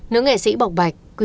nữ nghệ sĩ bọc bạch